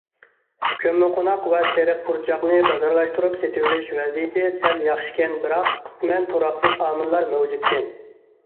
كۆممىقوناق ۋە سېرىق پۇرچاقنى بازارلاشتۇرۇپ سېتىۋېلىش ۋەزىيىتى سەل ياخشىكەن بىراق قىسمەن تۇراقسىز ئامىللار مەۋجۇتكەن.